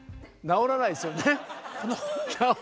直らないですよね。